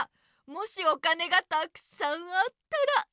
もしお金がたくさんあったら。